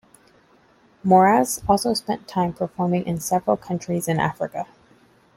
Moraz also spent time performing in several countries in Africa.